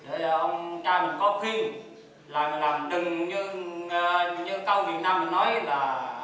ông cha mình có khuyên là mình làm đừng như câu việt nam mình nói là